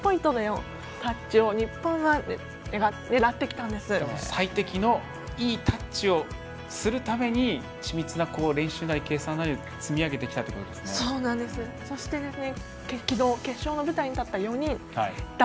それに最適のいいタッチをするために緻密な練習なり計算なりを積み上げてきたってことですよね。